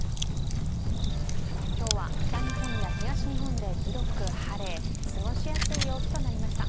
今日は、北日本や東日本で広く晴れ過ごしやすい陽気となりました。